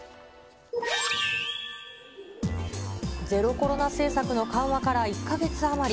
ゼロコロナ政策の緩和から１か月余り。